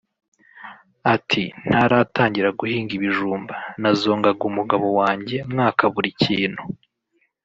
Ati “ Ntaratangira guhinga ibijumba nazongaga umugabo wanjye mwaka buri kintu